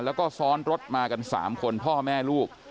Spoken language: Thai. แล้วก็ซ้อนรถมากัน๓คนพ่อแม่ลูก